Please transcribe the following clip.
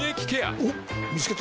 おっ見つけた。